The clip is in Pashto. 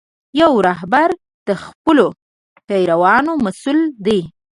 یو رهبر د خپلو پیروانو مسؤل دی.